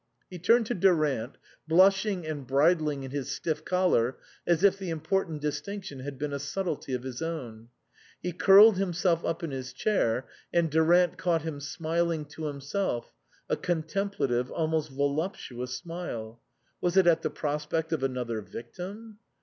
He turned to Durant, blushing and bridling in his stiff collar as if the important distinction had been a subtlety of his own. He curled himself up in his chair, and Durant caught him smiling to himself, a contemplative, almost voluptuous smile ; was it at the prospect of another victim